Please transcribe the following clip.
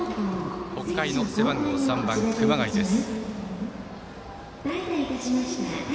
北海の背番号３番、熊谷です。